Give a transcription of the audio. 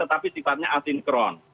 tetapi sifatnya asinkron